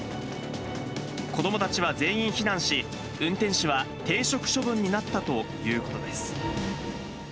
子どもたちは全員避難し、運転手は停職処分になったということです。